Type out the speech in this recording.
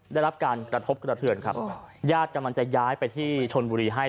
ได้รับการกระทบกระเทือนครับญาติกำลังจะย้ายไปที่ชนบุรีให้